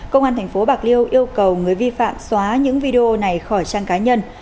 công an tp bạc liêu yêu cầu người vi phạm xóa những video này khỏi trang cá nhân